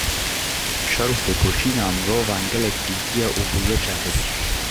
şer û tekoşîna mirovan gelek dîtiye û bûye şahid.